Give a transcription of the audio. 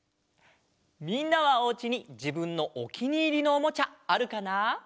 みんなはおうちにじぶんのおきにいりのおもちゃあるかな？